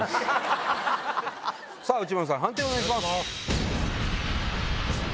内村さん判定お願いします。